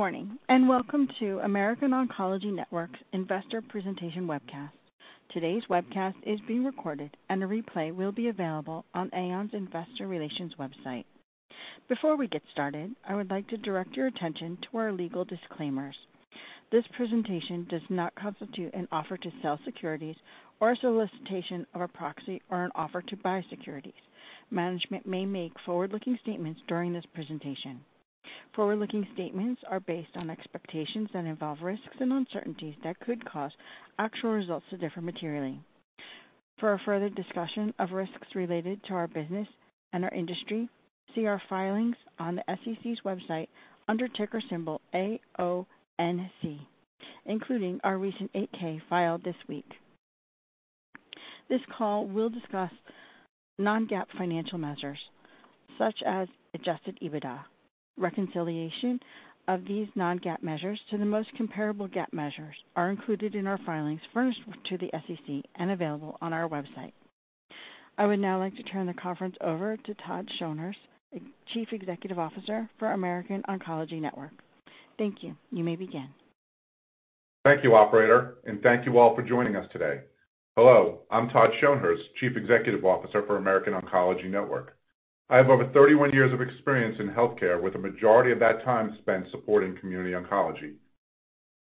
Good morning, and welcome to American Oncology Network's Investor Presentation Webcast. Today's webcast is being recorded, and a replay will be available on AON's Investor Relations website. Before we get started, I would like to direct your attention to our legal disclaimers. This presentation does not constitute an offer to sell securities or a solicitation of a proxy or an offer to buy securities. Management may make forward-looking statements during this presentation. Forward-looking statements are based on expectations that involve risks and uncertainties that could cause actual results to differ materially. For a further discussion of risks related to our business and our industry, see our filings on the SEC's website under ticker symbol AONC, including our recent 8-K filed this week. This call will discuss non-GAAP financial measures such as Adjusted EBITDA. Reconciliation of these non-GAAP measures to the most comparable GAAP measures are included in our filings furnished to the SEC and available on our website. I would now like to turn the conference over to Todd Schonherz, Chief Executive Officer for American Oncology Network. Thank you. You may begin. Thank you, operator, and thank you all for joining us today. Hello, I'm Todd Schonherz, Chief Executive Officer for American Oncology Network. I have over 31 years of experience in healthcare, with the majority of that time spent supporting community oncology.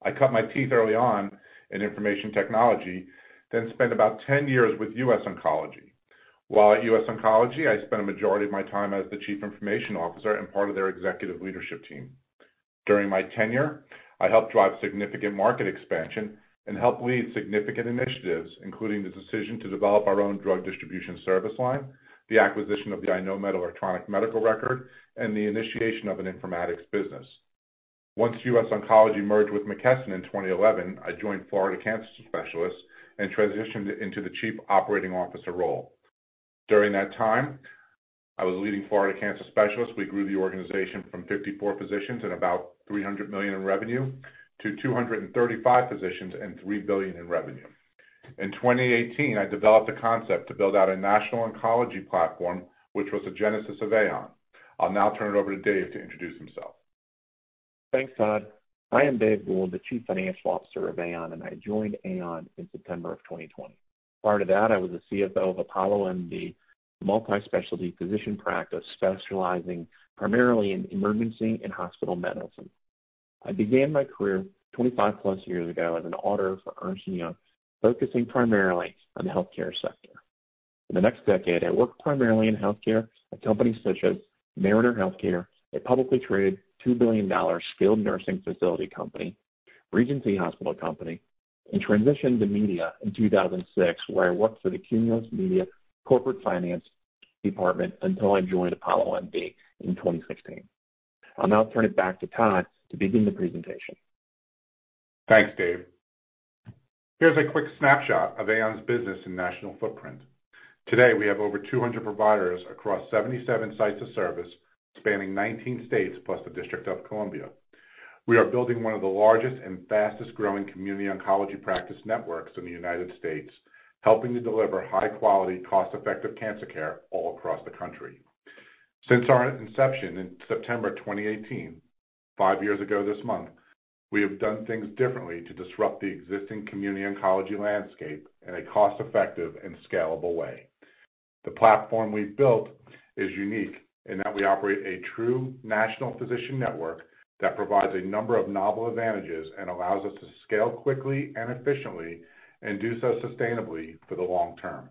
I cut my teeth early on in information technology, then spent about 10 years with US Oncology. While at US Oncology, I spent a majority of my time as the Chief Information Officer and part of their executive leadership team. During my tenure, I helped drive significant market expansion and helped lead significant initiatives, including the decision to develop our own drug distribution service line, the acquisition of the iKnowMed electronic medical record, and the initiation of an informatics business. Once US Oncology merged with McKesson in 2011, I joined Florida Cancer Specialists and transitioned into the Chief Operating Officer role. During that time, I was leading Florida Cancer Specialists. We grew the organization from 54 physicians and about $300 million in revenue to 235 physicians and $3 billion in revenue. In 2018, I developed a concept to build out a national oncology platform, which was the genesis of AON. I'll now turn it over to Dave to introduce himself. Thanks, Todd. I am Dave Gould, the Chief Financial Officer of AON, and I joined AON in September of 2020. Prior to that, I was the CFO of ApolloMD, a multi-specialty physician practice specializing primarily in emergency and hospital medicine. I began my career 25+ years ago as an auditor for Ernst & Young, focusing primarily on the healthcare sector. For the next decade, I worked primarily in healthcare at companies such as Mariner Healthcare, a publicly traded $2 billion skilled nursing facility company, Regency Hospital Company, and transitioned to media in 2006, where I worked for the Cumulus Media corporate finance department until I joined ApolloMD in 2016. I'll now turn it back to Todd to begin the presentation. Thanks, Dave. Here's a quick snapshot of AON's business and national footprint. Today, we have over 200 providers across 77 sites of service, spanning 19 states plus the District of Columbia. We are building one of the largest and fastest-growing community oncology practice networks in the United States, helping to deliver high-quality, cost-effective cancer care all across the country. Since our inception in September 2018, five years ago this month, we have done things differently to disrupt the existing community oncology landscape in a cost-effective and scalable way. The platform we've built is unique in that we operate a true national physician network that provides a number of novel advantages and allows us to scale quickly and efficiently and do so sustainably for the long term.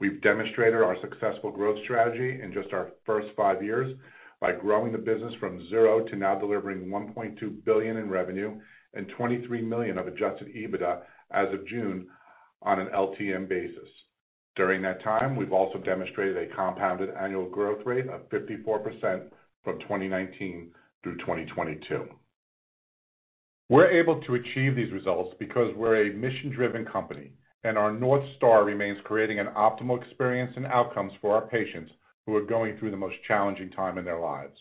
We've demonstrated our successful growth strategy in just our first five years by growing the business from zero to now delivering $1.2 billion in revenue and $23 million of adjusted EBITDA as of June on an LTM basis. During that time, we've also demonstrated a compounded annual growth rate of 54% from 2019 through 2022. We're able to achieve these results because we're a mission-driven company, and our North Star remains creating an optimal experience and outcomes for our patients who are going through the most challenging time in their lives.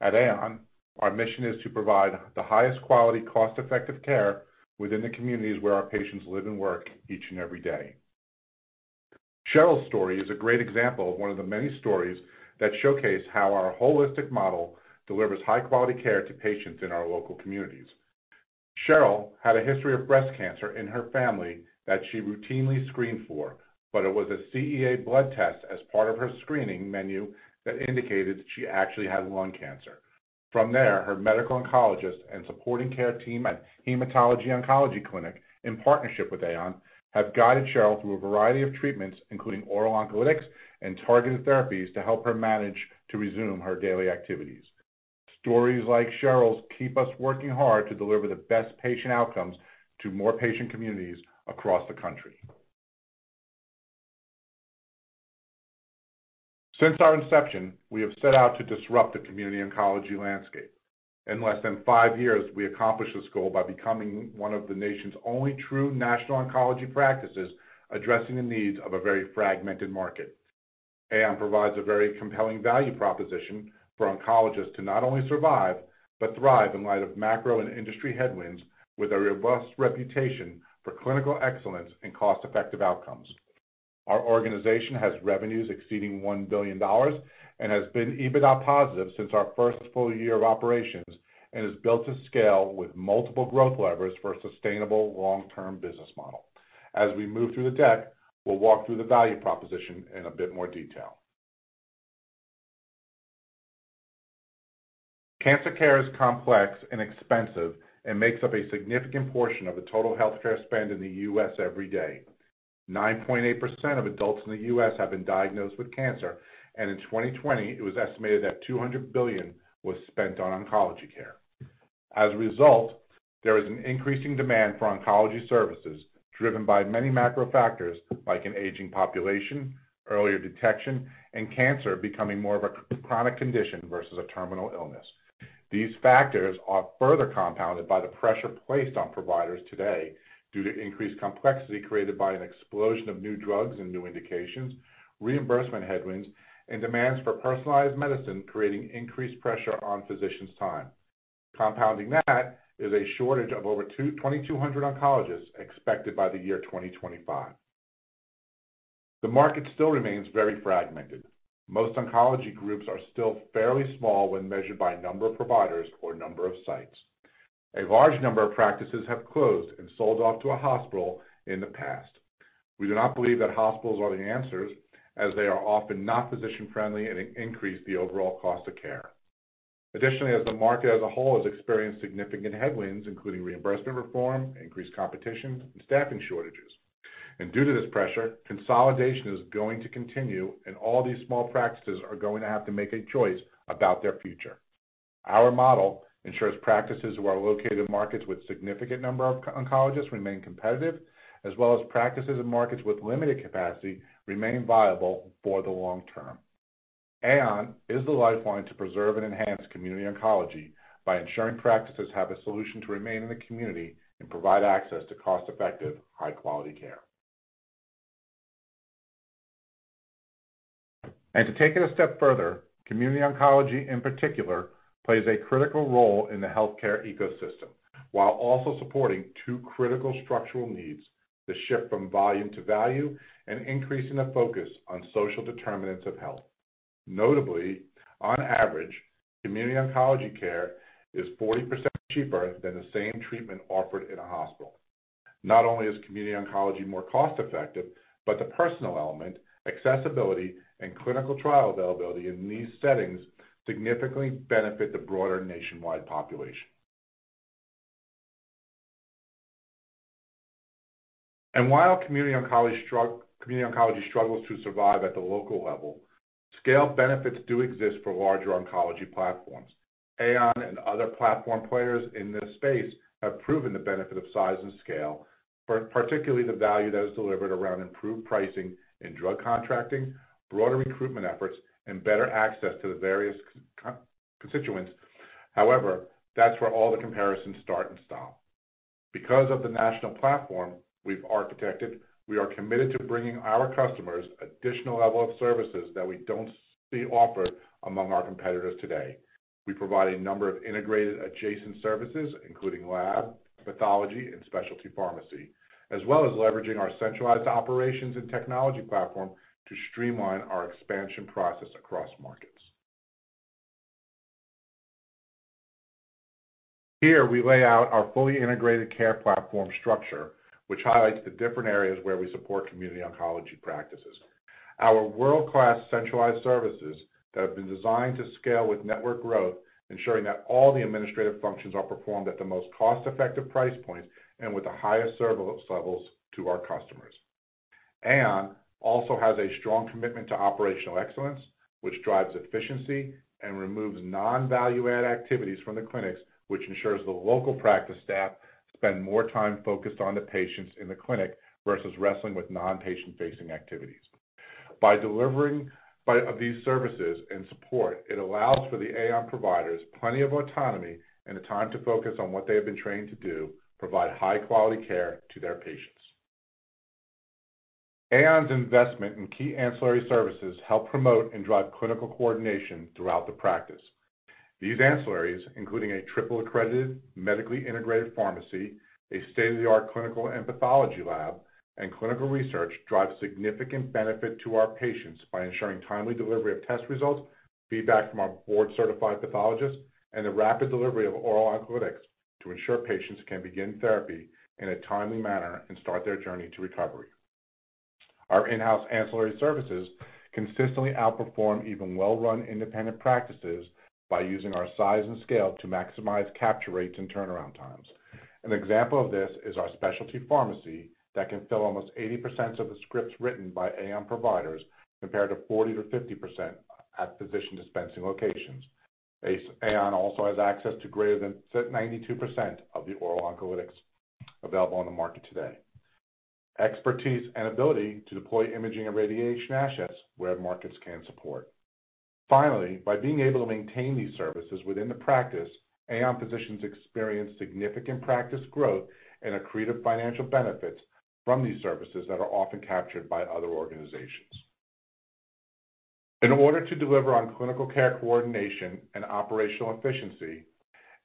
At AON, our mission is to provide the highest quality, cost-effective care within the communities where our patients live and work each and every day. Cheryl's story is a great example of one of the many stories that showcase how our holistic model delivers high-quality care to patients in our local communities. Cheryl had a history of breast cancer in her family that she routinely screened for, but it was a CEA blood test as part of her screening menu that indicated she actually had lung cancer. From there, her medical oncologist and supporting care team at Hematology Oncology Clinic, in partnership with AON, have guided Cheryl through a variety of treatments, including oral oncolytics and targeted therapies, to help her manage to resume her daily activities. Stories like Cheryl's keep us working hard to deliver the best patient outcomes to more patient communities across the country. Since our inception, we have set out to disrupt the community oncology landscape. In less than five years, we accomplished this goal by becoming one of the nation's only true national oncology practices, addressing the needs of a very fragmented market. AON provides a very compelling value proposition for oncologists to not only survive but thrive in light of macro and industry headwinds, with a robust reputation for clinical excellence and cost-effective outcomes. Our organization has revenues exceeding $1 billion and has been EBITDA positive since our first full year of operations, and is built to scale with multiple growth levers for a sustainable long-term business model. As we move through the deck, we'll walk through the value proposition in a bit more detail. Cancer care is complex and expensive, and makes up a significant portion of the total healthcare spend in the U.S. every day. 9.8% of adults in the U.S. have been diagnosed with cancer, and in 2020, it was estimated that $200 billion was spent on oncology care. As a result, there is an increasing demand for oncology services, driven by many macro factors like an aging population, earlier detection, and cancer becoming more of a chronic condition versus a terminal illness. These factors are further compounded by the pressure placed on providers today due to increased complexity created by an explosion of new drugs and new indications, reimbursement headwinds, and demands for personalized medicine, creating increased pressure on physicians' time. Compounding that, is a shortage of over 2,200 oncologists expected by the year 2025. The market still remains very fragmented. Most oncology groups are still fairly small when measured by number of providers or number of sites. A large number of practices have closed and sold off to a hospital in the past. We do not believe that hospitals are the answers, as they are often not physician-friendly and increase the overall cost of care. Additionally, as the market as a whole has experienced significant headwinds, including reimbursement reform, increased competition, and staffing shortages. Due to this pressure, consolidation is going to continue, and all these small practices are going to have to make a choice about their future. Our model ensures practices who are located in markets with significant number of oncologists remain competitive, as well as practices and markets with limited capacity remain viable for the long term. AON is the lifeline to preserve and enhance community oncology by ensuring practices have a solution to remain in the community and provide access to cost-effective, high-quality care. And to take it a step further, community oncology, in particular, plays a critical role in the healthcare ecosystem, while also supporting two critical structural needs: the shift from volume to value, and increasing the focus on social determinants of health. Notably, on average, community oncology care is 40% cheaper than the same treatment offered in a hospital. Not only is community oncology more cost-effective, but the personal element, accessibility, and clinical trial availability in these settings significantly benefit the broader nationwide population. And while community oncology struggles to survive at the local level, scale benefits do exist for larger oncology platforms. AON and other platform players in this space have proven the benefit of size and scale, particularly the value that is delivered around improved pricing and drug contracting, broader recruitment efforts, and better access to the various constituents. However, that's where all the comparisons start and stop. Because of the national platform we've architected, we are committed to bringing our customers additional level of services that we don't see offered among our competitors today. We provide a number of integrated adjacent services, including lab, pathology, and specialty pharmacy, as well as leveraging our centralized operations and technology platform to streamline our expansion process across markets. Here, we lay out our fully integrated care platform structure, which highlights the different areas where we support community oncology practices. Our world-class centralized services have been designed to scale with network growth, ensuring that all the administrative functions are performed at the most cost-effective price points and with the highest service levels to our customers. AON also has a strong commitment to operational excellence, which drives efficiency and removes non-value-add activities from the clinics, which ensures the local practice staff spend more time focused on the patients in the clinic versus wrestling with non-patient-facing activities. By delivering of these services and support, it allows for the AON providers plenty of autonomy and the time to focus on what they have been trained to do, provide high-quality care to their patients. AON's investment in key ancillary services help promote and drive clinical coordination throughout the practice. These ancillaries, including a triple-accredited, medically integrated pharmacy, a state-of-the-art clinical and pathology lab, and clinical research, drive significant benefit to our patients by ensuring timely delivery of test results, feedback from our board-certified pathologists, and the rapid delivery of oral oncolytics to ensure patients can begin therapy in a timely manner and start their journey to recovery. Our in-house ancillary services consistently outperform even well-run independent practices by using our size and scale to maximize capture rates and turnaround times. An example of this is our specialty pharmacy that can fill almost 80% of the scripts written by AON providers, compared to 40%-50% at physician dispensing locations. AON also has access to greater than 92% of the oral oncolytics available on the market today. Expertise and ability to deploy imaging and radiation assets where markets can support. Finally, by being able to maintain these services within the practice, AON physicians experience significant practice growth and accretive financial benefits from these services that are often captured by other organizations.... In order to deliver on clinical care coordination and operational efficiency,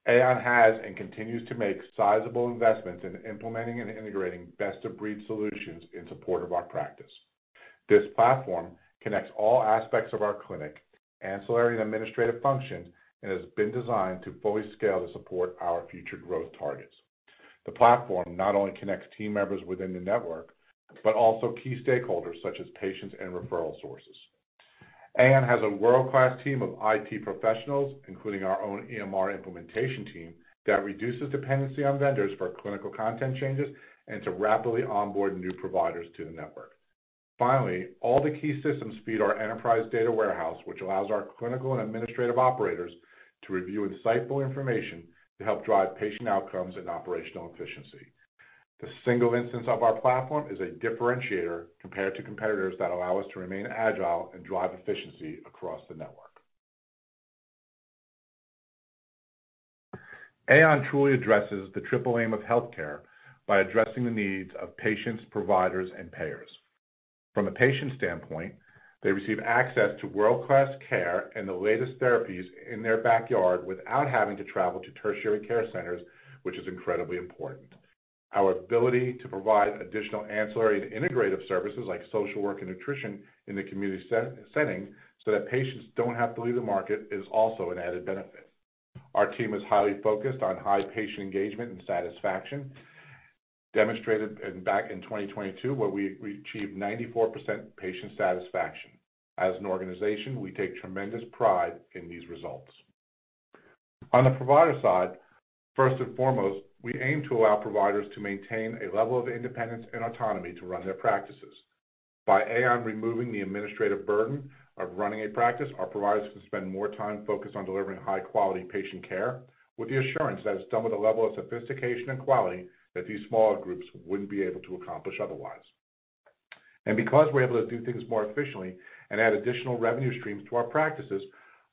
AON has and continues to make sizable investments in implementing and integrating best-of-breed solutions in support of our practice. This platform connects all aspects of our clinic, ancillary and administrative functions, and has been designed to fully scale to support our future growth targets. The platform not only connects team members within the network, but also key stakeholders such as patients and referral sources. AON has a world-class team of IT professionals, including our own EMR implementation team, that reduces dependency on vendors for clinical content changes and to rapidly onboard new providers to the network. Finally, all the key systems feed our enterprise data warehouse, which allows our clinical and administrative operators to review insightful information to help drive patient outcomes and operational efficiency. The single instance of our platform is a differentiator compared to competitors that allow us to remain agile and drive efficiency across the network. AON truly addresses the Triple Aim of healthcare by addressing the needs of patients, providers, and payers. From a patient standpoint, they receive access to world-class care and the latest therapies in their backyard without having to travel to tertiary care centers, which is incredibly important. Our ability to provide additional ancillary and integrative services like social work and nutrition in the community setting, so that patients don't have to leave the market, is also an added benefit. Our team is highly focused on high patient engagement and satisfaction, demonstrated back in 2022, where we achieved 94% patient satisfaction. As an organization, we take tremendous pride in these results. On the provider side, first and foremost, we aim to allow providers to maintain a level of independence and autonomy to run their practices. By AON removing the administrative burden of running a practice, our providers can spend more time focused on delivering high-quality patient care, with the assurance that it's done with a level of sophistication and quality that these smaller groups wouldn't be able to accomplish otherwise. Because we're able to do things more efficiently and add additional revenue streams to our practices,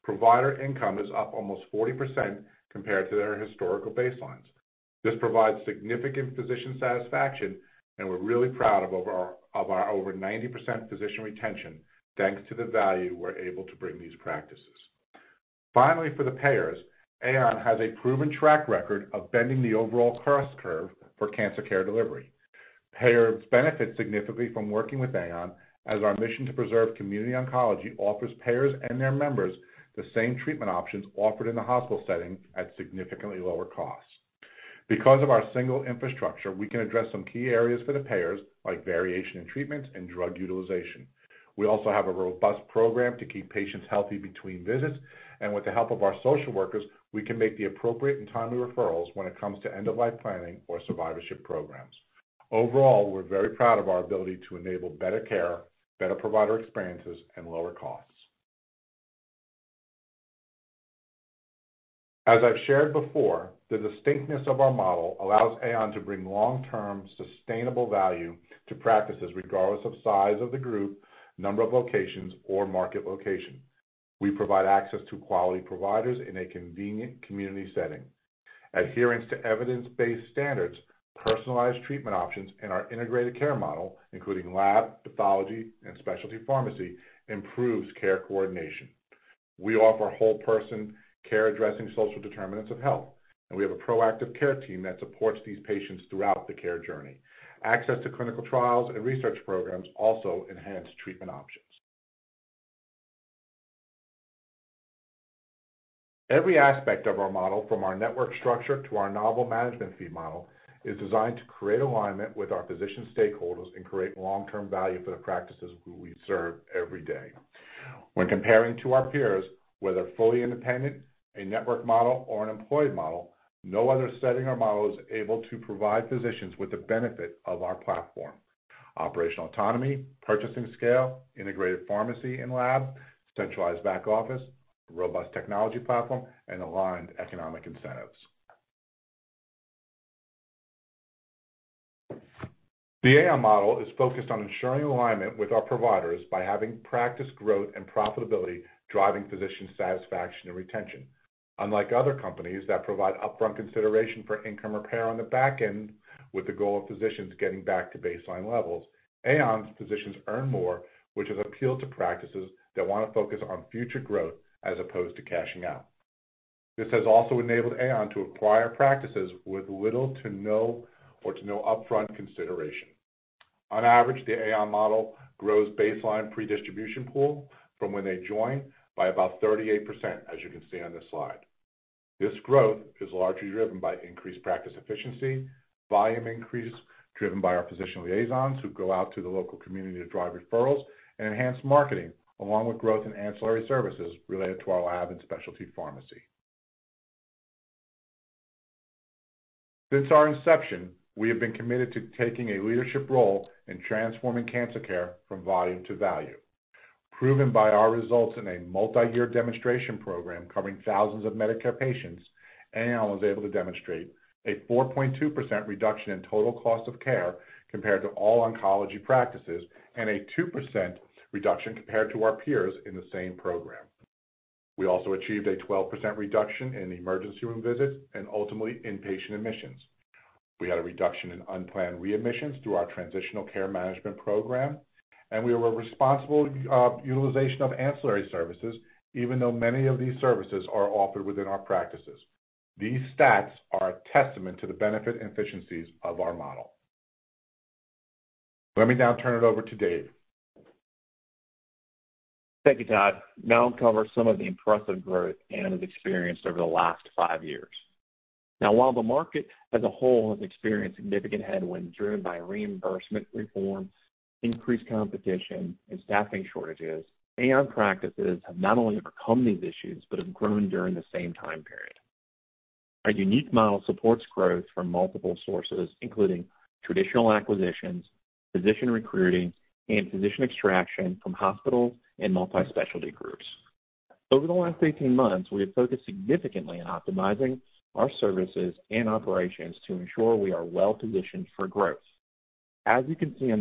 provider income is up almost 40% compared to their historical baselines. This provides significant physician satisfaction, and we're really proud of our over 90% physician retention, thanks to the value we're able to bring these practices. Finally, for the payers, AON has a proven track record of bending the overall cost curve for cancer care delivery. Payers benefit significantly from working with AON, as our mission to preserve community oncology offers payers and their members the same treatment options offered in the hospital setting at significantly lower costs. Because of our single infrastructure, we can address some key areas for the payers, like variation in treatments and drug utilization. We also have a robust program to keep patients healthy between visits, and with the help of our social workers, we can make the appropriate and timely referrals when it comes to end-of-life planning or survivorship programs. Overall, we're very proud of our ability to enable better care, better provider experiences, and lower costs. As I've shared before, the distinctness of our model allows AON to bring long-term, sustainable value to practices regardless of size of the group, number of locations, or market location. We provide access to quality providers in a convenient community setting. Adherence to evidence-based standards, personalized treatment options, and our integrated care model, including lab, pathology, and specialty pharmacy, improves care coordination. We offer whole person care, addressing social determinants of health, and we have a proactive care team that supports these patients throughout the care journey. Access to clinical trials and research programs also enhance treatment options. Every aspect of our model, from our network structure to our novel management fee model, is designed to create alignment with our physician stakeholders and create long-term value for the practices who we serve every day. When comparing to our peers, whether fully independent, a network model, or an employed model, no other setting or model is able to provide physicians with the benefit of our platform. Operational autonomy, purchasing scale, integrated pharmacy and lab, centralized back office, robust technology platform, and aligned economic incentives. The AON model is focused on ensuring alignment with our providers by having practice growth and profitability, driving physician satisfaction and retention. Unlike other companies that provide upfront consideration for income or pay on the back end, with the goal of physicians getting back to baseline levels, AON's physicians earn more, which is appealed to practices that want to focus on future growth as opposed to cashing out. This has also enabled AON to acquire practices with little to no or to no upfront consideration. On average, the AON model grows baseline pre-distribution pool from when they join by about 38%, as you can see on this slide. This growth is largely driven by increased practice efficiency, volume increase driven by our physician liaisons who go out to the local community to drive referrals, and enhanced marketing, along with growth in ancillary services related to our lab and specialty pharmacy. Since our inception, we have been committed to taking a leadership role in transforming cancer care from volume to value. Proven by our results in a multi-year demonstration program covering thousands of Medicare patients, AON was able to demonstrate a 4.2% reduction in total cost of care compared to all oncology practices, and a 2% reduction compared to our peers in the same program. We also achieved a 12% reduction in emergency room visits and ultimately, inpatient admissions. We had a reduction in unplanned readmissions through our transitional care management program, and we have a responsible utilization of ancillary services, even though many of these services are offered within our practices. These stats are a testament to the benefit and efficiencies of our model. Let me now turn it over to Dave. Thank you, Todd. Now I'll cover some of the impressive growth AON has experienced over the last 5 years. Now, while the market as a whole has experienced significant headwinds driven by reimbursement reforms, increased competition, and staffing shortages, AON practices have not only overcome these issues but have grown during the same time period. Our unique model supports growth from multiple sources, including traditional acquisitions, physician recruiting, and physician extraction from hospitals and multi-specialty groups. Over the last 18 months, we have focused significantly on optimizing our services and operations to ensure we are well-positioned for growth. As you can see on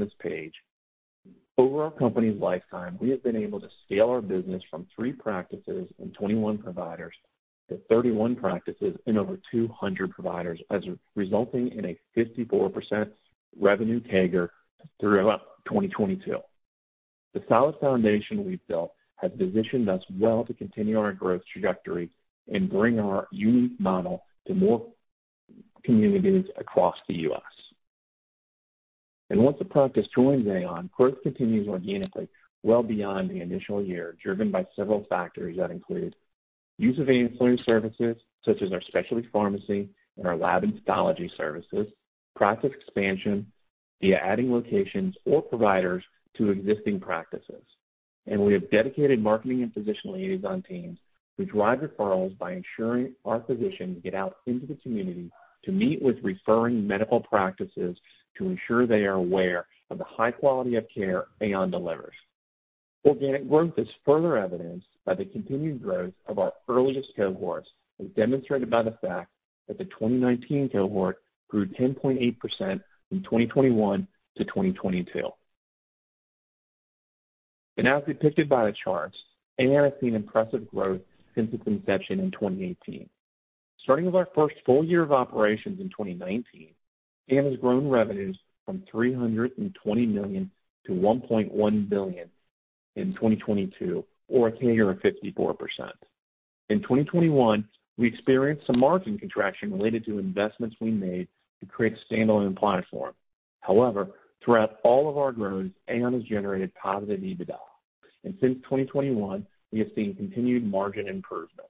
this page, over our company's lifetime, we have been able to scale our business from 3 practices and 21 providers to 31 practices and over 200 providers, resulting in a 54% revenue CAGR through 2022. The solid foundation we've built has positioned us well to continue our growth trajectory and bring our unique model to more communities across the U.S. Once a practice joins AON, growth continues organically, well beyond the initial year, driven by several factors that include: use of ancillary services, such as our specialty pharmacy and our lab and pathology services, practice expansion via adding locations or providers to existing practices. We have dedicated marketing and physician liaison teams who drive referrals by ensuring our physicians get out into the community to meet with referring medical practices, to ensure they are aware of the high quality of care AON delivers. Organic growth is further evidenced by the continued growth of our earliest cohorts, as demonstrated by the fact that the 2019 cohort grew 10.8% from 2021 to 2022. As depicted by the charts, AON has seen impressive growth since its inception in 2018. Starting with our first full year of operations in 2019, AON has grown revenues from $320 million to $1.1 billion in 2022, or a CAGR of 54%. In 2021, we experienced some margin contraction related to investments we made to create a standalone platform. However, throughout all of our growth, AON has generated positive EBITDA, and since 2021, we have seen continued margin improvement.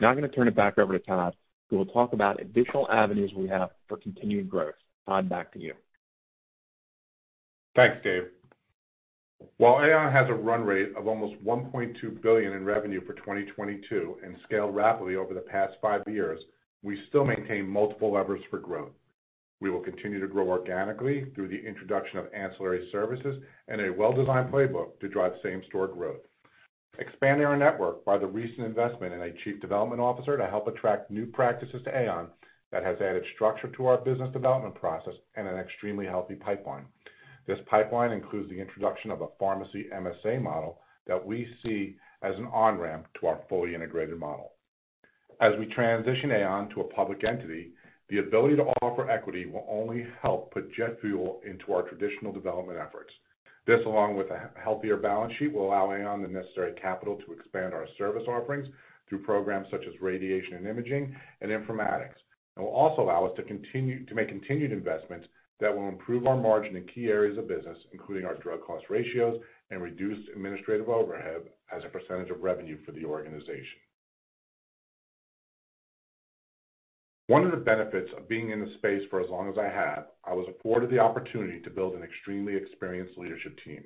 Now I'm going to turn it back over to Todd, who will talk about additional avenues we have for continued growth. Todd, back to you. Thanks, Dave. While AON has a run rate of almost $1.2 billion in revenue for 2022 and scaled rapidly over the past 5 years, we still maintain multiple levers for growth. We will continue to grow organically through the introduction of ancillary services and a well-designed playbook to drive same-store growth. Expanding our network by the recent investment in a chief development officer to help attract new practices to AON, that has added structure to our business development process and an extremely healthy pipeline. This pipeline includes the introduction of a pharmacy MSA model that we see as an on-ramp to our fully integrated model. As we transition AON to a public entity, the ability to offer equity will only help put jet fuel into our traditional development efforts. This, along with a healthier balance sheet, will allow AON the necessary capital to expand our service offerings through programs such as radiation and imaging and informatics. It will also allow us to continue to make continued investments that will improve our margin in key areas of business, including our drug cost ratios and reduced administrative overhead as a percentage of revenue for the organization. One of the benefits of being in the space for as long as I have, I was afforded the opportunity to build an extremely experienced leadership team.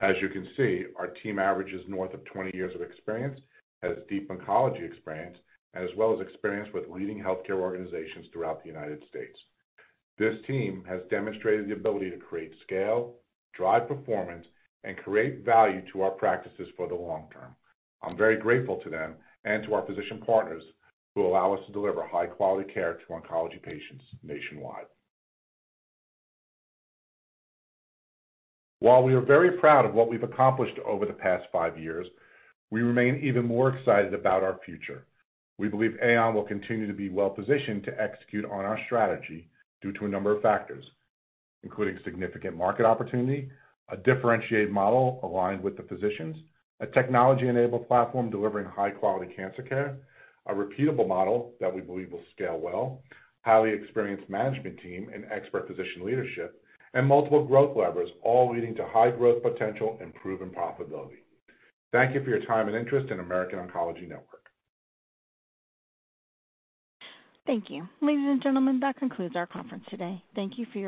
As you can see, our team averages north of 20 years of experience, has deep oncology experience, as well as experience with leading healthcare organizations throughout the United States. This team has demonstrated the ability to create scale, drive performance, and create value to our practices for the long term. I'm very grateful to them and to our physician partners who allow us to deliver high-quality care to oncology patients nationwide. While we are very proud of what we've accomplished over the past five years, we remain even more excited about our future. We believe AON will continue to be well-positioned to execute on our strategy due to a number of factors, including significant market opportunity, a differentiated model aligned with the physicians, a technology-enabled platform delivering high-quality cancer care, a repeatable model that we believe will scale well, highly experienced management team and expert physician leadership, and multiple growth levers, all leading to high growth potential and proven profitability. Thank you for your time and interest in American Oncology Network. Thank you. Ladies and gentlemen, that concludes our conference today. Thank you for your-